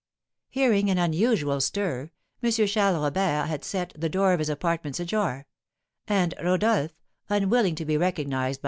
Hearing an unusual stir, M. Charles Robert had set the door of his apartments ajar, and Rodolph, unwilling to be recognised by M.